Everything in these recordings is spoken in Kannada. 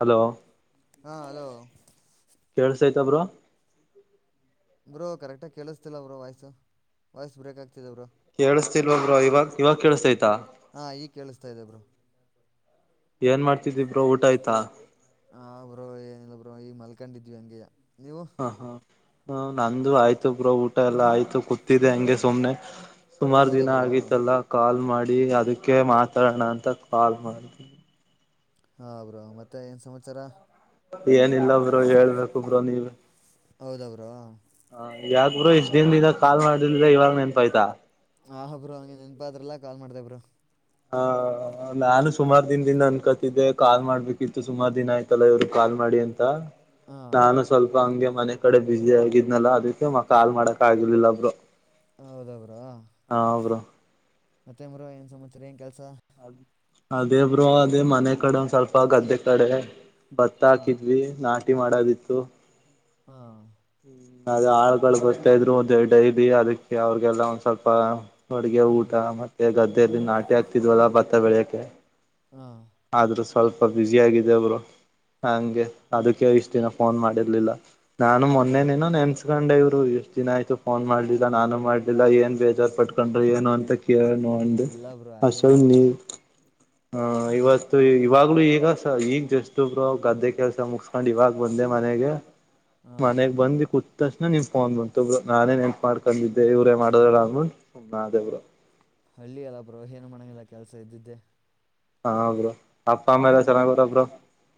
ಹಲೋ ಹಾ ಹಲೋ ಕೇಳ್ಸೈತಬ್ರ ಬ್ರೋ ಕರೆಕ್ಟಾಗಿ ಕೇಳಿಸ್ತಿಲ್ಲ ಬ್ರೋ ವಾಯ್ಸ ವಾಯ್ಸ್ ಬ್ರೇಕ್ ಆಗ್ತ ಕೇಳಸ್ತಿಲ್ವೊಬ್ರ ಇವಾಗ ಇವಾಗ ಕೇಳಿಸತಯ್ತಾ ಹಾ ಈಗ ಕೇಳಿಸ್ತಾ ಇದೆ ಬ್ರೋ ಏನ್ ಮಾಡ್ತಿದಿಬ್ರೋ ಊಟ ಆಯ್ತಾ ಹ ಬ್ರೋ ಏನಿಲ್ಲ ಬ್ರೋ ಈ ಮಲ್ಕೊಂಡಿದ್ವಿ ಅಂಗಯ ಹ ಹಾ ಹ ನಂದು ಆಯ್ತುಬ್ರ ಊಟ ಎಲ್ಲಾ ಆಯ್ತು ಕೂತಿದ್ದೆ ಹಂಗೆ ಸುಮ್ನೆ ಸುಮಾರು ಹೌದ ದಿನ ಬ್ರೋ ಆಗಿತ್ತಲ್ಲಾ ಕಾಲ್ ಮಾಡಿ ಅದಕ್ಕೆ ಮಾತಾಡೋಣ ಅಂತ ಕಾಲ್ ಮಾಡ್ದ ಹಾ ಅವ್ರ ಮತ್ತೆ ಏನ್ ಸಮಾಚಾರ ಏನಿಲ್ಲ ಬ್ರೋ ಹೇಳ್ಬೇಕು ಬ್ರೋ ನೀವು ಹೌದ ಅವರು ಹ ಯಾಕ್ರರು ಇಷ್ಟ್ ದಿನ ದಿಂದ ಕಾಲ್ ಮಾಡಲಿಲ್ಲ ಇವಾಗ ನೆನ್ಪ ಆಯ್ತಾ ಆ ಹ ಬ್ರೋ ಹಂಗೆ ನೆನಪಾದ್ರಲ್ಲ ಕಾಲ್ ಮಾಡ್ತ ಬ್ರರು ಹ ನಾನು ಸುಮಾರು ದಿನ ದಿನ ಅನ್ಕ ಕಾಲ್ ಮಾಡ್ಬೇಕಿತ್ತು ಸುಮಾರು ದಿನ ಆಯ್ತಲ್ಲ ಇವ್ರ ಕಾಲ್ ಮಾಡಿ ಅಂತ ಹಾ ನಾನು ಸ್ವಲ್ಪ ಹಂಗೆ ಮನೆ ಕಡೆ ಬ್ಯಸ ಆಗಿದ್ನಲ್ಲ ಅದಕ್ಕೆ ಕಾಲ್ ಮಾಡಕ್ ಆಗಿರ್ಲಿಲ್ಲಬ್ರು ಹೌದಾಗ್ರ ಮತ್ತೆ ಮರ ಏನ್ ಸಮಾಚಾರ ಏನ್ ಕೆಲ್ಸ ಅದೇಬ್ರು ಅದೇ ಮನೆ ಕಡೆ ಒಂದ ಸ್ವಲ್ಪ ಗದ್ದೆ ಕಡೆ ಭತ್ತ ಹಾ ಹಾಕಿದ್ವಿ ನಾಟಿ ಮಾಡೋದಿತ್ತು ಹಾ ಹ್ಮ್ ಅದ ಆಳ್ ಗಳು ಬರ್ತಾ ಇದ್ರು ಡೈಲಿ ಅದಕ್ಕೆ ಅವ್ರಿಗೆಲ್ಲ ಒಂದ್ ಸ್ವಲ್ಪ ಅಡ್ಗೆ ಹಾ ಊಟ ಮತ್ತೆ ಗದ್ದೆಯಲ್ಲಿ ನಾಟಿ ಆಗ್ತಿದ್ವಲ್ಲ ಭತ್ತ ಬೆಳಿಯಕೆ ಹಾ ಆದ್ರೂ ಸ್ವಲ್ಪ ಬ್ಯುಸ ಆಗಿದೆ ಒಬ್ರು ಹಂಗೆ ಅದಕ್ಕೆ ಇಷ್ಟ ದಿನ ಫೋನ್ ಮಾಡಿರ್ಲಿಲ್ಲ ನಾನು ಹಾ ಮೊನ್ನೆನೇನೋ ನೆನ್ಸ್ಕೊಂಡೆ ಇ ಎಷ್ಟು ದಿನ ಆಯತು ಫೋನ್ ಮಾಡಲಿಲ್ಲ ನಾನು ಮಾಡ್ಲಿಲ್ಲ ಏನ್ ಬೇಜಾರ್ ಪಟ್ಕೊಂಡ್ರ ಏನು ಅಂತ ನಂದು ಇಲ್ಲ ಬ್ರೋ ಹಸ ಹಾಗೇನಿಲ್ಲ ನೀ ಹ ಹ್ಮ್ ಇವತ್ತು ಹಳ್ಳಿ ಇವಾಗ್ಲು ಈಗ ಈಗ ಜಸ್ಬ್ರು ಗದ್ದೆ ಕೆಲ್ಸ ಮುಗಸ್ಕೊಂಡ್ ಇವಾಗ ಬಂದೆ ಮನೆಗೆ ಹಾ ಮನೆಗ್ ಬಂದ ಕತಕ್ಷಣ ನಿಮ್ ಫೋನ್ ಬಂತೊಬ್ರು ನಾನೇನ್ ನನ್ಪ್ ಮಾಡ್ಕೊಂಡಿದ್ದ ಇವರೇ ಮಾಡದೇ ಇಲ್ಲ ಹಾ ಅಂದೂ ಮಾಡ್ದೆ ಬ್ರೋ ಹಳ್ಳಿ ಅಲ್ಲ ಬ್ರೋ ಏನು ಮಾಡಂಗಿಲ್ಲ ಕೆಲ್ಸ ಇದ್ದಿದ್ದೆ ಹಾ ಬ್ರೋ ಅಪ್ಪ ಅಮ್ಮ ಆಯ್ತ ಎಲ್ಲ ಬ್ರೋ ಚೆನ್ನಾಗವ್ರ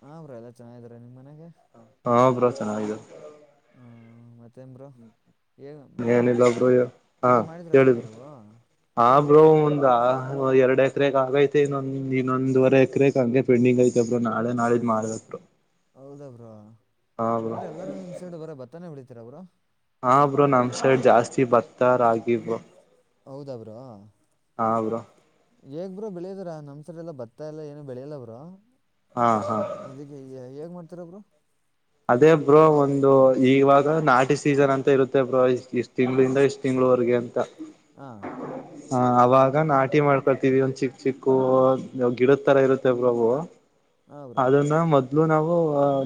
ಹ ಬ್ರೋ ಎಲ್ಲ ಚೆನ್ನಾಗಿದ್ರ ನಿಮ ಮನೆಗೆ ಚೆನ್ನಾಗಿದೆ ಹಾ ಮತ್ತೆ ಮತ್ತೇ ಬ್ರೋ ಏ ಬ್ರೋ ಏನಿಲ್ಲ ಬ್ರೋ ಹಾ ನಾಟಿ ಮಾಡಿದ್ರ ಅಲ್ಲ ನೀವು ಹ್ಮ್ ಒಂದ ಎರಡು ಎಕರೆಗೆ ಆಗೈತೆ ಇನ್ನೊ ಇನ್ನೊಂದುವವರೆ ಎಕರೆಗೆ ಹಂಗೆ ಪೆಂಡಿಂಗ್ ಐತೆ ಬ್ರೋ ನಾ ನಾಳೆ ನಾಳಿದ್ದ ಮಾಡ್ಬೇಕು ಹೌದ ಬ್ರ ಅಂದ್ರೆ ಎಲ್ಲಾರೂ ನಿಮ್ ಸೈಡ್ ಬರ ಬತ್ತಾನೇ ಬಿಡಿತೀರ ಅವರು ಹಾ ಬ್ರೋ ನಮ್ ಸೈಡ್ ಜಾಸ್ತಿ ಬತ್ತಾರ ಆಗಬೋ ಹೌದ ಬ್ರೋ ಹಾ ಬ್ರೋ ಹೇಗ್ ಬ್ರ ಬೆಳೆಯೋದ್ರ ನಮ್ಸರಿ ಎಲ್ಲ ಬತಾ ಎಲ್ಲಾ ಏನು ಬೆಳೆಯಲ್ಲ ಬ್ರರು ಹಾ ಹಾ [inaudible] ಅದಕ್ಕೆ ಹೇಗ್ ಮಾಡ್ತಾರಬ್ರು ಅದೇ ಬ್ರೋ ಒಂದು ಇವಾಗ ನಾಟಿ ಸೀಸನ್ ಅಂತ ಇರುತ್ತೆ ಬ್ರೋ ಇ ಇಷ್ಟ್ ತಿಂಗ್ಳಿಂದ ಇಷ್ಟ್ ತಿಂಗಗಳು ವರಿಗೆ ಅಂತ ಹಾ ಹ ಅವಾಗ ನಾಟಿ ಮಾಡ್ಕೊಳ್ತೀವಿ ಒಂದ ಚಿಕ್ಕ ಚಿಕ್ಕ ಗಿಡದ ತರ ಇರುತ್ತೆ ಬಾಬು ಹಾಂ ಬ್ರೋ ಅದನ್ನ ಮೊದ ಮದ್ಲು ನಾವು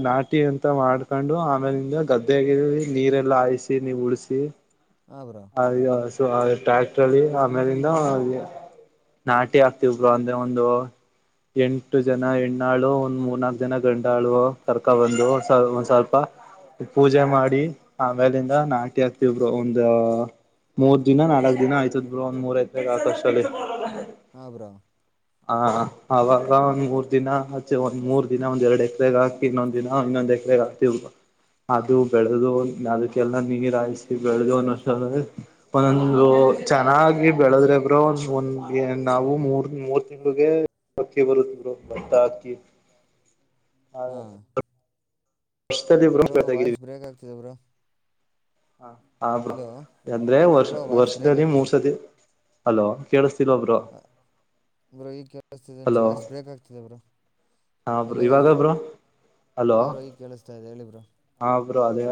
ನಾಟಿ ಅಂತ ಮಾಡ್ಕೊಂಡು ಆಮೇಲಿಂದ ಗದ್ದೆಗೆ ನೀರೆಲ್ಲ ಹಾಯಿಸಿ ನೀವು ಉಳಸಿ ಹಾಂ ಬ್ರೋ ಅ ಟ್ರ್ಯಾಕ್ಟ್ರಲ್ಲಿ ಆಮೇಲಿಂದ ನಾಟಿ ಹಾಕ್ತಿವಬ್ರು ಅಂದ್ರೆ ಒಂದು ಎಂಟು ಜನ ಎಂ ಆ ಳು ಒಂದ್ ಮೂರ್ನಾಾಕಕ್ ದಿನ ಗಂಟಾಳು ಕರ್ಕೊ ಬಂದು ಒಂದ್ ಸ್ವಲ್ಪ ಪೂಜೆ ಮಾಡಿ ಆಮೇಲಿಂದ ನಾಟಿ ಹಾಕ್ತಬ್ರು ಒಂದ ಮೂರ್ ದಿನ ನಾಲ್ಕಕ್ ದಿನ ಆಯ್ತದ ಬ್ರ ಒಂದ ಮೂರ್ ಐ್ತ ಬ ಆಕಷ್ಟಲ್ಲಿ ಹ ಬ್ರಾ ಹ ಅವಾಗ ಒಂದ್ ಮೂರ್ ದಿನ ಆಚೆ ಒಂದ್ ಮೂರ್ ದಿನ ಒಂದ್ ಎರಡ್ ಎಕರೆಗ ಹಾಕಿ ಇನ್ನೊಂದ್ ದಿನ ಇನ್ನೊಂದ್ ್ರ ಆತಿಲ್ವಾ ಅದು ಹಾಂ ಬೆಳೆದು ಅದಕ್ಕೆಲ್ಲ ನೀರ ಹಾಯಿಸಿ ಬೆಳೆದು ಅನ್ನೋ ಒಂದೊಂದು ಚೆನ್ನಾಗಿ ಬೆಳೆದ್ರೆ ಫೆಬ್ರವರಿ ಒಂದ ನಾವು ಮೂರ್ ಮೂವ ತಿಮಗೆ ಅಕ್ಕಿ ಬರುತ್ತರು ಭತ್ತ ಅಕ್ಕಿ ಹಾ ವರ್ಷದಲ್ಲಿ ಬ್ರೋ ಬಬ್ರು ವಾಯ್ಸ್ ಬೆಳದಿದ್ದೀವಿ ಬ್ರೇಕ್ ಆಗ್ತಿದೆ ಬ್ರೋ ಹ ಹಬ ಹಲೋ ಅಂದ್ರೆ ವರ್ಷ ಬ್ರೋ ವಾಯ್ಸ್ ಬ್ರೇಕ್ ವರ್ಷದಲ್ಲಿ ಆಗ್ತಿದೆ ಮೂರ್ ಸತಿ ಅಲೋ ಕೇಳತ ತಿನವರ ಬ್ರ ಈಗ ಕೇಳಸ್ತಿದೆ ಅಂಚ ವಾಯ್ಸ್ ಬ್ರೇಕ್ ಆಗ್ತಿದೆ ಬ್ರ ಹಾ ಬ್ರೋ ಹಲೋ ಇವಾಗ ಬ್ರೋ ಹ ಬ್ರೋ ಈಗ ಕೇಳಿಸತಾ ಇ ಹೇಳಿ ಬ್ರಾ ಹ್ರರು ಅದೇ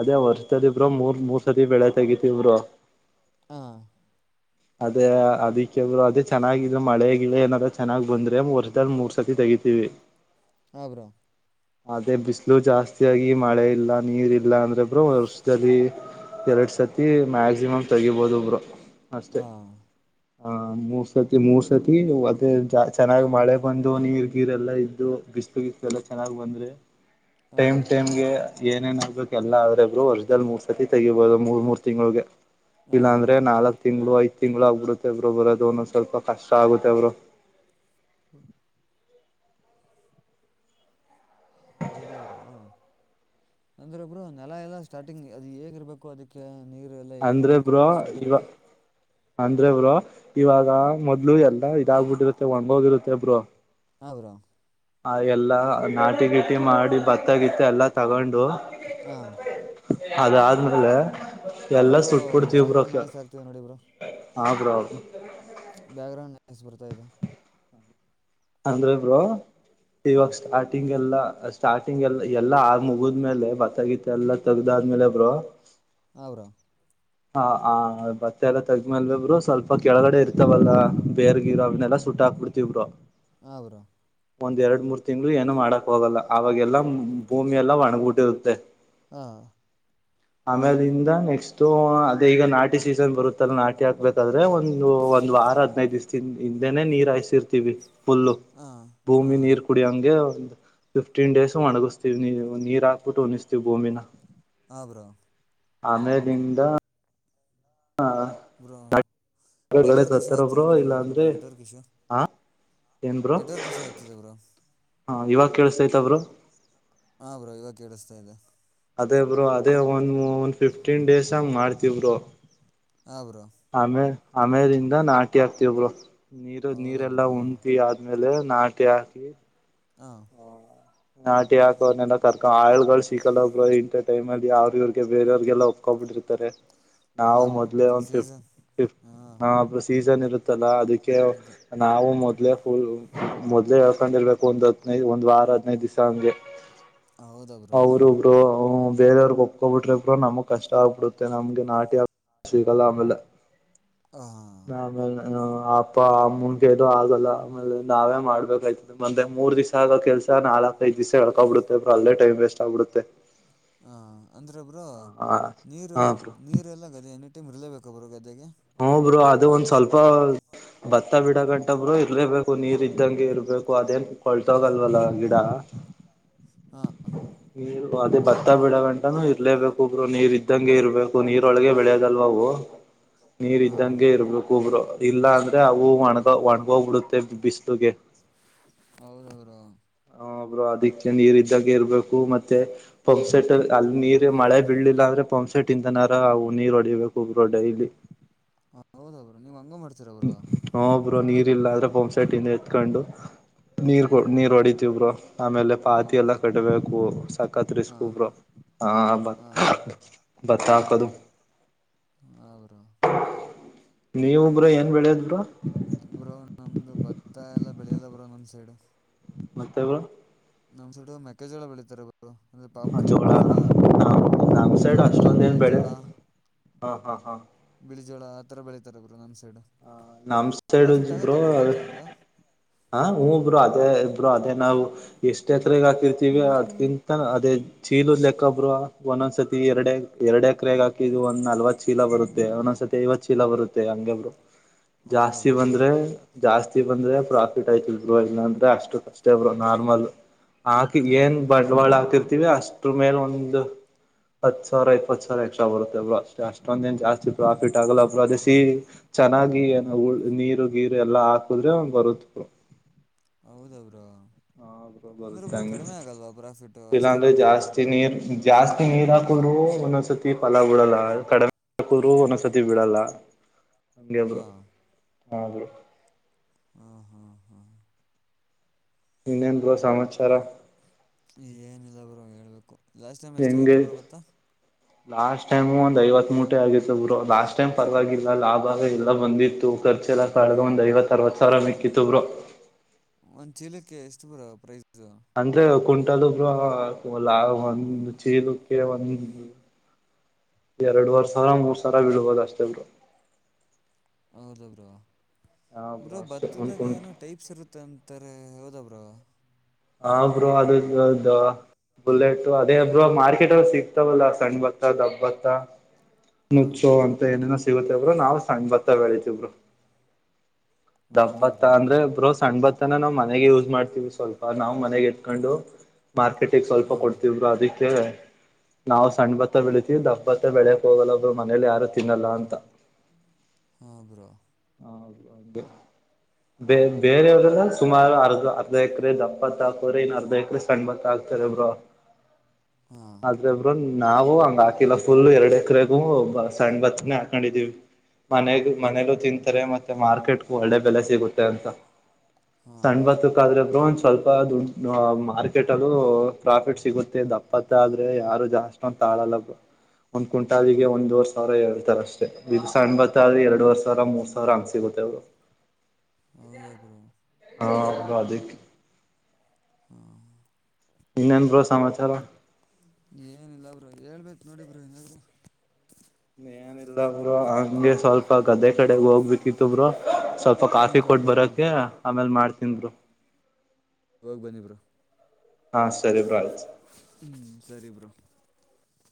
ಅದೇ ವರ್ಷದ ಇಬ್್ರರು ಮೂರ್ ಮೂರ್ ಸರಿ ಬೆಳೆ ತೆಗತಿವರು ಹಾ ಅದೇ ಅದಿಕ್ಕೆಬ್ರು ಅದೇ ಚೆನ್ನಿದ್ ಮಳೆಗಿಲ್ಲ ಏನಾದ್ರರು ಚೆನ್ನಾಗ್ ಬಂದ್ರೆ ವರ್ಷ ಮೂರ್ ಸತಿ ತಗ ತಗೋತೀವಿ ಆಬ್ರ ಅದೇ ಬಿಸಿಲು ಜಾಸ್ತಿಿಯಾಗಿ ಮಳೆ ಇಲ್ಲ ನೀರ್ ಇಲ್ಲ ಅಂದ್ರೆ ಬ್ರರು ವರ್ಷದಲ್ಲಿ ಎಡ್ ಸತಿ ಮ್ಯಾಕ್ಸಿಮಮ್ ತೆಗಿಬಹದು ಒಬ್ರು ಅಷ್ಟೆ ಹಾಂ ಹ ಮೂರ್ ಸತಿ ಮೂರ್ ಸತಿ ಮತ್ತೇ ಚೆನ್ನಾಗ್ ಮಳೆ ಬಂದು ನೀರ್ ಗೀರೆ ಎಲ್ಲಾ ಇದ್ದು ಬಿಸ್ಲು ಬಿಸ್ ಎಲ್ಲ ಚೆನ್ನಾಗ್ ಬಂದ್ರೆ ಟೈಮ್ ಹಾಂ ಟೈಮ್ಗೆ ಏನೇನ್ ಹ್ಬೇಕ ಎಲ್ಲ ಆದ್ರೆ ಒಬ್ರು ವರ್ಷಲ್ ಮೂರ್ ಸತಿ ತೆಗಿಬಹದು ಮೂರ್ ಮೂರ್ ತಿಂಗಳಗೆ ಹಾಂ ಇಲ್ಲಾ ಬ್ರೋ ಅಂದ್ರೆ ನಾಲ್ಕ್ ತಿಂಗಳು ಐದ್ ತಿಂಗಳು ಆಗ್ಬಿಡುತ್ತೆ ಇಬ್್ರರು ಬರೋದು ಒ ಸ್ವಲ್ಪ ಕಷ್ಟ ಆಗುತ್ತೆಬ್ರು ಹ್ಮ [inaudible] ಹೌದವರು [unintelligible] ಅಂದ್ರೆ ಒಬ್ರು ನೆಲ ಎಲ್ಲ ಸ್ಟಾರ್ಟಿಂಗ್ ಅದು ಹೇಗಿರ್ಬೇಕು ಅದಕ್ಕೆ ನೀರು ಎಲ್ಲ ಹೆಂಗೆ ಅಂದ್ರೆ ಬಿಡಬೇಕು ಬ್ರೋ ಇವ ಸ್ಟಾರ್ಟಿಂಗು ಅಂದ್ರೆ ಬ್ರೋ ಇವಾಗ ಮೊದ್ಲು ಎಲ್ಲ ಇದಾಗಬಿಟ್ಟಿರುತ್ತೆ ಒಣ್ಗಿರುತ್ತೆ ಬ್ರರು ಹೌ್ರ ಆ ಎಲ್ಲಾ ನಾಟಿ ಗಿಟಿ ಮಾಡಿ ಭತ್ತ ಗಿತ್ತ ಎಲ್ಲಾ ತಗೊಂಡು ಹಾ ಅದಾದ ಆದ್ಮೇಲೆ ಬ್ರೋ ಬ್ಯಾಕ್ ಗ್ರೌಂಡ್ ನಾತಿ ಆಗ್ತವ್ ನೋಡಿ ಬ್ರರು ಹೌ್ರ ಆ ಬ್ಯಾಕ್ ಗ್ರೌಂಡ್ ನಸ್ ಬರ್ತಾ ಇದೆ ಅಂದ್ರೆ ಇ ಬ್ರೋ ಇವಾಗ ಹಾಂ ಸ್ಟಾರ್ಟಿಂಗ್ ಎಲ್ಲಾ. ಸ್ಟಾರ್ಟಿಂಗ್ ಎಲ್ಲ ಎಲ್ಲಾ ಆ ಮುಗಿದ್ಮೇಲೆ ಬತ್ತಗೀತ ಎಲ್ಲಾ ತಗ್ದ ಆದ್ಮೇಲೆ ಬ್ರೋ. ಅವರಾ ಹ ಹ ಬತ್ತೆ ಎಲ್ಲ ತಗ್ಮೇಲ್ವಿಬ್ರು ಸ್ವಲ್ಪ ಕೆಳಗಡೆ ಇರ್ತವಲ್ಲ ಬೇರ್ ಗಿರನ್ನೆಲ್ಲಾ. ುಟ್ಟಾಕ್ಬಿಡ್ತವ್ರು ಹೌರು ಒಂದ್ ಎರಡ್ ಮೂರ್ ತಿಂ್ಗಳು ಏನು ಮಾಡಕ್ ಹೋಗಲ್ಲ ಆವಾಗೆಲ್ಲಾ ಭೂಮಿ ಎಲ್ಲಾ ಒಣಬಿಟ್ಟಿರುತ್ತೆ ಹಾ ಆಮೇಾಲರಿಿಂದ ನೆಕ್ಸ್ಟ್ ಅದೇ ಈಗ ನಾಟಿ ಸೀಸನ್ ಬರುತ್ತಲ್ಲ ನಾಟಿ ಹಾಕ್ಬೇಕಾದ್ರೆ ಒಂದು. ಒಂದ್ ವಾರ ಹದ್ೈದ್ ದಿವಸಿಂದ ಹಿಂದೆನನೆ ನೀರ್ ಹಾಯಸಿರ್ತಿೀವಿ. ಫುಲ್ಲು ಹಾಂ ಭೂಮಿ ಹಾಂ ನೀರ್ ಕುಡ ಹಂಗೆ ಫಿಫ್ಟೀನ್ ಡೇಸ್ ಒಣಗಿಸ್ತೀವಿ ನೀ ನೀರ್ ಹಾಕ್ಬಿಟ್ಟು ಅನಿಸ್ತೀವಿ ಭೂಮಿನ ಹ ಬ್ರೋ ಆಮೇದಿಂದ ಹಾ ಬ್ರೋ ನೆಟ್ವರ್ಕ್ ಇಶ್ಯೂ ಆಗ್ತಿದೆ ನೆತಾರಬರು ನೋಡಿ ಇಲ್ಲ ಬ್ರೋ ನಿಮ್ಮದು ಅಂದ್ರೆ ನೆಟ್ವರ್ಕ್ ಇಶ್ಯೂ ಹ ನೆಟ್ವರ್ಕ್ ಯಶು ಆಗ್ತದ ಬರು ಹಾ ಇವಾಗ ಕೇಳಸ್ತೈತ ಅವರು ಹಾ ಬ್ರೋ ಇವಾಗ ಕೇಳಿಸ್ತಾ ಇದೆ ಅದೇ ಬರು ಅದೇ ಒಂದ ಒಂದ್ ಫಿಫ್ಟೀನ್ ಡೇಸ್ ಹಂಗ ಮಾಡ್ತವರು ಆಬ್ರು ಆಮೇದಿಂದ ನಾಟಿ ಹಾಕ್ತಿವರು ನೀರು ಹೌದಾ ಬ್ರೋ ನೀರೆಲ್ಲಾ ಉಣತಿ ಆದ್ಮೇಲೆ ನಾಟಿ ಹಕಿ ಹಾ ನಾಟಿ ಹಾಕೋನ್ನೆಲ್ಲ ಕರ್ಕೊಂಡ ಆಳ್ುಗಳು ಸಿಕ್ಕಲ್ಲೊಬ್ರು ಇಂಥ ಟೈಮ ಅಲ್ಲಿ ಅವ್ರವ್ರಿಗೆ ಬೇರೆಯವ್ರರಿಗೆಲ್ಲ ಒಪ್ಕೊಂಡ್ಬಿಟ್ಟ. ಹಾಂ ನಾವು ಬ್ರೋ ಮೊದ್ಲೇ ಮತ್ತು ಒಂದ ಫಿಫ್ಟ ಸೀಸನ್ ಹಾಂ ಹ ಅ್ರ ಸೀಸನ್ ಇರುತ್ತಲ್ಲ ಅದಕ್ಕೆ ಅದೇ ನಾವು ಮ ಮೊದ್ಲೇ ಫುಲ್ ಮೊದ್ಲೇ ಹೇಳ್ಕೊಂಡ್ಿರ್ಬೇಕು ಒಂದ್ ಹದ್ಿನೈದು ಒಂದ್ ವಾರ ಹದ್ಿನೈದು್ ದಿವಸ ಹಂಗೆ. ಹೌದಾ ಬ್ರೋ ಅವರುಬ್ರು ಬೇರೆಯವ್ರಿಗೆ ಒಪ್ಕೊಬಿಟ್ರೆ ಕ್ರ ನಮಗೆ ಕಷ್ಟ ಆಗ್ಬಿಡುತ್ತೆ ನಮ್ಗೆ ನಾಟಿ ಅಭ್ಯಾಸ ಸಿಗಲ್ಲ ಆಮೇಲೆ. ಹಾಂ ನ ಆಮೇಲೆ ಅಪ್ಪ ಅಮ್ಮನ್ ಬೇದು ಆಗಲ್ಲ ಆಮೇಲೆ ನಾವೇ ಮಾಡಬೇಕಾಯ್ತ ಮಂದೆ ಮೂರ್ ದಿವಸ ಕೆಲ್ಸ ನಾಲ್ಕ ಐದು ದಿವಸ ಹಳ್ಕೊಬಿಡೆ್ರ ಅಲ್ಲೇ ಟಮ್ ವೇಸ್ಟ್ ಆಗ್ಬಿಡುತ್ತೆ ಹ ಅಂದ್ರ ಒಬ್ರು ಹ ನೀರು ಹಾ ಬ್ರೋ ನೀರೆಲ್ಲ ಗದ ಎನಿ ಟೈಮ್ ಇರ್ಲೇಬೇಕಬ್ರು ಗದ. ಹೂ ಬರು ಅದು ಒಂದ್ ಸ್ವಲ್ಪ ಭತ್ತ ಬಿಡ ಗಂಟಬ್ರು ಇರ್ಲೇಬೇಕು ನೀರ್ ಇದ್ದಂಗೆ ಇರ್ಬೇಕು ಅದೇನ್ ಕೊಳ್ತೋಗಲ್ವಲ್ಲ ಗಿಡ. ಹಾಂ ನೀ ಅದೇ ಭತ್ತ ಬಿೀಡ ಗಂಟಾನು ಇರ್ಲೇಬೇಕು ಒಬ್ರು ನೀರ್ ಇದ್ದಂಗೆ ಇರ್ಬೇಕು ನೀರೊಳಗೆ ಬೆಳೆಯೋದಲ್ವ ಅವು. ನೀರ್ ಹಾಂ ಇದ್ದಂಗೆ ಇರಬೇಕು ಒಬ್ರು ಇಲ್ಲ ಅಂದ್ರೆ ಅವು ಒಣಗ ಒಣಗೋಗ್ಬಿಡುತ್ತೆ ಬಿಸ್ಲುಗೆ. ಹೌದೌದ ಅದಕ್ಕೆ ನೀರ್ ಇದ್ದಾಗ ಇರ್ಬೇಕು ಮತ್ತೆ ಪಂಪ್ ಸೆಟ್ ಅಲ್ಲಿ ನೀರ್ ಮಳೆ ಬಿೀಲಿಲ್ಲ ಅಂದ್ರೆ ಪಂಪ್. ಸೆಟ್ಟಿಂದನಾರ ಅವು ನೀರು ಹೊಡಿಬೇಕು್ರಡೈಲ್ಲಿ ಹ ಹೌದ ಅವ್ರರು ನೀವ್ ಹಂಗ ಮಾಡ್ತೀರ ಅವರು ಇಬ್ರು ನೀರ್ ಇಲ್ಲಾಂದ್ರೆ ಪಂಪ್ ಸೈಟ್ ಇಂದ ಎತ್ಕೊಂಡು ನೀರ್ ಹಾಂ ಕೊ ನೀರ್ ಹೊಡತಿ ಇಬ್ರು ಆಮೇಲೆ ಹೌ ಪಾತಿ ಎಲ್ಲ ಕಟ್ಬೇಕು ಸಕತ್ ರ ಹಾಂ ಸ್ಕೊಬ್ರು ಹಾ ಹಾಂ ಬತಾವಕುದುು ಹಾಂ ಬ್ರೋ ನೀವಬ್್ರ ಏನ್ ಬೆಳೆಯದರು ಬ್ರೋ ನಮ್ದು ಭತ್ತ ಎಲ್ಲ ಬೆಳಿಯಲ್ಲ ಬ್ರೋ ನಮ್ ಸೈಡ್ ಮತ್ತೆಬ್ರು ನಮ್ ಸು ಮೆಕಜಳ ಬೆಳಿತತಾರ ಅಂದ್ರೆ ಪಾಪ್ಕರ್ ಜೋಳ ಮೆಕ್ಕೆೇಜಡ ನಮ್ ಸೈಡ್ ಮೆಕ್ಕೆಜಡ ಅಷ್ಟೊಂದ ಆಮೇಲೆ ಏನ್ ಬೆಳೆ ಜೋಳ ಹಾ ಹಾ ಹಾ ಬಿಳಿ ಜೋಳ ಆ ತರ ಬೆಳೀಿತಾರೆ ಗುರು ನಮ್ ಹ ನಾಮ್ ಸೈಡು ಬ್ರೋ ಹ ಹೂ ಬ್ರೋ ಅದೇ ಅದೇ ನಾವು ಎಷ್ಟ್ತ್ರಗ ಹಾಕಿರ್ತೀವಿ ಅದ್ಕಿಂತ ಅದೇ ಚೀಲದ ಲೆಕ್ಕೊಬ್ರು ಒಂದೊಂದ್ಸ ಸತಿ ಎರಡೆ ಎರಡೆ ಕ್ರಗ್ ಹಾಕಿದ ಒ್ ನಲ್ವತ್ ಚೀಲ ಬರುತ್ತೆ ಒಂದೊಂದ್ಸತಿ ಇವ ಚೀಲ ಬರುತ್ತೆ ಹಂಗಬ್ರು ಹೌದ ಜಾಸ್ತಿ ಬ್ರೋ ಬಂದ್ರೆ ಜಾಸ್ತಿ ಬಂದ್ರೆ ಪ್ರಾಫಿಟ್ ಆಯ್ತಲ್ರು ಇಲ್ಲಾಂದ್ರೆ ಅಷ್ಟು ಕಷ್ಟೇ ಬರು ನಾರ್ಮಲ್ ಆಾಕಿ ಏನ್ ಹಾಂ ಬಂಡವಾಳ ಹಾತಿರ್ತಿೀವಿ ಅಷ್ಟ್ರ ಮೇಲೆ ಒಂದು ಹತ್ ಸಾವಿರ ಇಪ್ಪತ್ತು ಸಾವಿರ ಎಕ್ಸ್ಟ್ರಾ ಬರುತ್ತೆಬ್್ರರು ಅಷ್ಟೇ ಅಷ್ಟೊಂದ ದನ್ ಜಾಸ್ತಿ ಪ್ರಾಫಿಟ್ ಆಗಲ್ಲಬ್ರು ಅದೇ ಸಿ ಚೆನ್ನಾಗಿ ಏನ ನೀರು ಗೀರು ಎಲ್ಲಾ ಹಾಕುದ್ರೆ ಬರುತ್ ಹೌದ ಅವ್ರಾ ಹ್ರ ಬರುತಂಗ ಪ್ರಾಫಿಟ್ಟು ಅಷ್ಟೇ ಇಲ್ಲಾಂದ್ರೆ ಬಂದರೆ ಜಾಸ್ತಿ ನೀರ್ ಜಾಸ್ತಿ ನೀರಾಕೂರು ಒಂದೊಂದ್ಸರ್ತಿ ಫಲ ಉಡಲ್ಲ ಕಡಿಮೆ ಕೂರು ಒಂದಸತಿ ಬಿಡಲ್ಲ ನಮ್ಗೆಬ್ರು ಹಾಂ ಹಾಗೆ ಹಾ ಹಾ ಹಾ ಇನ್ನೆನು ಸಮಾಚಾರ ಏನಿಲ್ಲ ಬ್ರೋ ಹೇಳ್ಬೇಕು ಲಾಸ್ಟ್ ಟೈಮ್ ಹೆಂಗೆ ಎಷ್ಟಾಗಿತ್ತು ಬರೋ ಗೊತ್ತಾ ಲಾಸ್ಟ್ ಟೈಮ್ು ಒಂದು ಐವತ್ ಮೂಟೆ ಆಗಿತ್ತುಬ್ರು ಲಾಸ್ಟ್ ಟೈಮ್ ಪರವಾಗಿಲ್ಲ ಲಾಭ ಎಲ್ಲ ಬಂದಿತ್ತು ಖರ್ಚಲ್ಲ್ದ ಹಾಂ ಒಂದು ಐವತ್ ಅರವತ್ ಸಾವಿರ ಮಿಕ್ಕಿತ್ತುಬ್ರು ಒಂದ್ ಚೀಲಕ್ಕೆ ಎಷ್ಟು ಬರ ಪ್ರೈಸ್ ಅಂದ್ರೆ ಕುಂಟಲುಬ್ ಲ ಒಂದು ಚೀಲು ಕಿರೆ ಒಂದ [inaudible] ಎರಡುುವರ್ ಸಾವಿ ಮೂರ್ ಸಾವರ ಬಿಳ್ಬೋುದ ಅಷ್ಟೇ ಬಿರು ಹೌದ ಬ್ರ ಬ್ರೋ ಬ್ರ ಅಷ್ಟೇ ಒಂದ್ ಭತ್ತದಾಗ ಕುಂಟಲ್ ಏನೋ ಟೈಪ್ಸ್ ಇರುತ್ತೆ ಅಂತಾರೆ ಹೌದಬ್ರ ಕ್ರ ಹಾಬ್್ರೋ ಅದು್ದ ಬುಲೆಟ್ು ಅದೇ ಒಬ್ರು ಮಾರ್ಕೆಟ್ಲ್ಲಿ ಸಿಗ್ತಾವಲ್ಲ ಸಣ್ ಬತ್ತ ದಬ್ ಬತ್ತ ಹಾಂ ನಚ್ಚೋ ಅಂತ ಏನೇನೋ ಸಿಗುತ್ತೆಬ್ರರು ನಾವ್ ಸಣ್ಣ ಬತ್ತ ಬೆಳತಿವರು ಹೌದಾ ದಬ್ಬತ್ತ ಬ್ರೋ ಅಂದ್ರೆ ಬ್ರೋ ಸಣ್ಬತ್ತನ ನಾವ್ ಮ ಮನೆಗೆ ಯೂಸ್ ಮಾಡ್ತೀವ್ರು ಸ್ವಲ್ಪ ನಾವು್ ಮನೆಗೆ ಎತ್ಕೊಂಡು ಮಾರ್ಕೆಟಿಗೆ ಸ್ವಲ್ಪ ಹಾಂ ಕೊಡ್ತವ್ರು ಅದಕ್ಕೆ ನಾವು ಸಣ್ ಭತ್ತ ಬೆಳಿತೀವಿ ದಬ್ಬತ್ತ ಬೆಳೆಯಕ್ ಹೋಗಲ್ಲೊಬ್ರು ಮನೇಲಿ ಯಾರು ತಿನ್ನಲ್ಲ ಅಂತ ಹಾ ಬ್ರೋ ಹ ಅೇ [inaudible] ಬೇ ಬೇರೆಯವ್ರಲ್ಲ ಸುಮಾರು ಅರ್ಧ ಅರ್ಧ ಎಕರೆ ದಪ್ಪತ್ ಹಾಕೋ್ರೆ ಇನ್ನು ಅರ್ಧ ಎಕರೆ ಸಣ್ಣ ಬತ್ತ ಹಾತಾರೆ ಹ ಹ ಆದ್ರೆ ಬ್ರೊ ನಾವು ಹಂಗ ಹಾಕಿಲ್ಲ ಫುಲ್ ಎರಡ್ ಎಕರೆಗೂ ಸಣ್ ಬತ್ನೆೇ ಹಾಕೊಂಡಿದೀವಿ ಮನೆಗ ಮನೇಲ್ಲೂ ತಿಂತಾರೆ ಮತ್ತೆ ಮಾರ್ಕೆಟ್ ಒಳ್ಳೆ ಬೆಲೆ ಸಿಗುತ್ತೆ ಅಂತ ಹಾಂ ಸಣ್ಣ ಬತಕ್ ಆದ್ರೆ ಬ್ರೋಂಚ್ ಸ್ವಲ್ಪ ದುಡ್ ಮಾರ್ಕೆಟ್ಲ್ಲೂ ಪ್ರಾಫಿಟ್ ಸಿಗುತ್ತೆ ದಪ್ಪತ್ತು ಆದ್ರೆ ಯಾರು ಜಾಸ್ಟ್ ಒಂದ್ ತಾಳಲ್ಲ ಒಂದ್ ಕುಂಟಾಲಿಗೆ ಹಾಂ ಒಂದವರ್ ಸಾವಿರ ಎರ ಅಷ್ಟೇ ದಸ ಅಣ್ ಬತ್್ರೆ ಎರಡ್ವರ್ ಸಾವಿರ ಮೂರ್ ಸಾವಿರ ಹಂಗ್ ಸಿಗುತ್ತೆ ಅವರು ಹೌದಾ ಬ್ರೋ ಹಾ ಬದುಕ್ಕೆ ಹಾ ಇನ್ನನ್ ಪ್ರ ಸಮಾಚಾರ ಏನಿಲ್ಲ ಬ್ರೋ ಹೇಳ್ಬೇಕು ನೋಡಿ ಬ್ರರು ಏನಿಲ್ಲ ಬ್ರರು ಹಂಗೆ ಸ್ವಲ್ಪ ಗದ್ದೆ ಕಡೆಗ್ ಹೋಗ್ಬೇಕಿತ್ತು ಬರು ಸ್ವಲ್ಪ ಕಾಫಿ ಹೌದಾ ಕೊಟ್ ಬ್ರೋ ಬರಕ ಆಮೇಲ್ ಮಾಡ್ತನ್ರು ಹೋಗ್ ಬಂದಿಬರು ಹಾ ಸರಿ ಭ್ರಾಯ ಹ್ಮ್ ಸರಿ ಬ್ರೋ